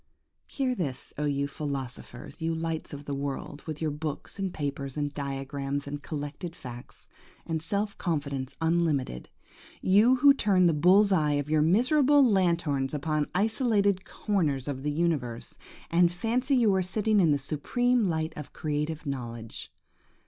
Hear this, oh you philosophers,–you lights of the world, with your books and papers and diagrams, and collected facts, and self confidence unlimited! You who turn the bull's eye of your miserable lanthorns upon isolated corners of the universe, and fancy you are sitting in the supreme light of creative knowledge!